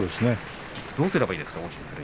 どうすればいいですか？